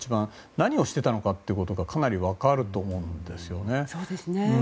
何がしていたかがかなり分かると思うんですよね。